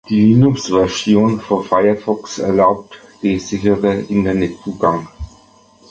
Die Linux-Version von Firefox erlaubt den sicheren Internet-Zugang.